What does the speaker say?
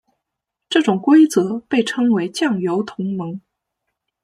这种规则被称为酱油同盟。